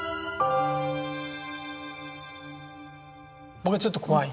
僕はちょっと怖い。